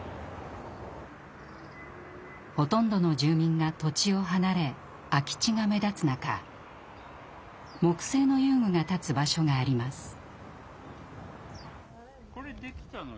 ほとんどの住民が土地を離れ空き地が目立つ中木製の遊具が立つ場所があります。